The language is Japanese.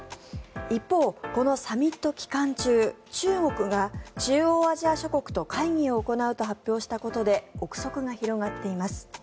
一方、このサミット期間中中国が中央アジア諸国と会議を行うと発表したことで臆測が広がっています。